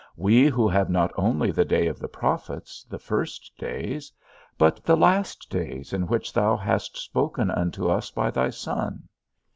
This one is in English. We, who have not only the day of the prophets, the first days, but the last days, in which thou hast spoken unto us by thy Son?